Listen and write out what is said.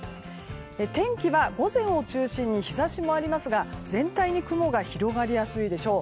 天気は午前を中心に日差しもありますが全体に雲が広がりやすいでしょう。